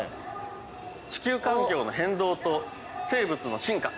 地球環境の変動と生物の進化。